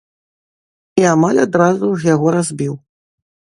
І амаль адразу ж яго разбіў.